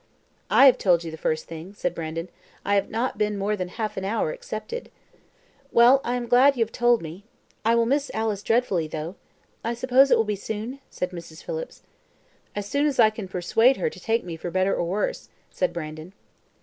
"I have told you the first thing," said Brandon. "I have not been more than half an hour accepted." "Well, I am glad you have told me. I will miss Alice dreadfully, though. I suppose it will be soon?" said Mrs. Phillips. "As soon as I can persuade her to take me for better for worse," said Brandon.